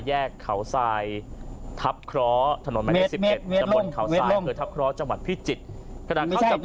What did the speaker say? แยกเขาทรายทับเคราะห์ถนนแหมดล่มทับเคราะห์จังหวัดพิจิตร